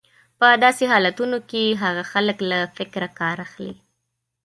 په داسې حالتونو کې هغه خلک له فکره کار اخلي.